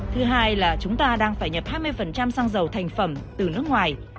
thứ hai là chúng ta đang phải nhập hai mươi xăng dầu thành phẩm từ nước ngoài